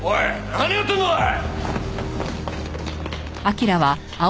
何やってんだおい！